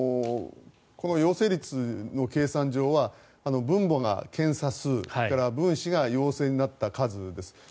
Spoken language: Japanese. この陽性率の計算上は分母が検査数分子が陽性になった数です。